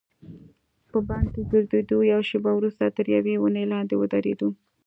په بڼ کې ګرځېدو، یوه شیبه وروسته تر یوې ونې لاندې ودریدو.